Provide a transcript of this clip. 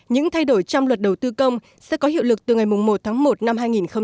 những thay đổi trong luật đầu tư công sẽ có hiệu lực từ ngày một tháng một năm hai nghìn hai mươi